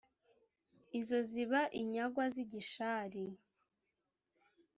izo ziba inyagwa z’i gishari,